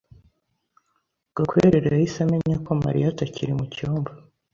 Gakwerere yahise amenya ko Mariya atakiri mucyumba.